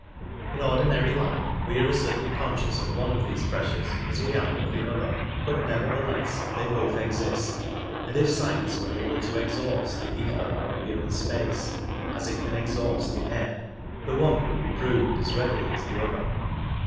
In ordinary life we are as little conscious of one of these pressures as we are of the other, but nevertheless they both exist, and if science were able to exhaust the ether from a given space, as it can exhaust the air, the one could be proved as readily as the other.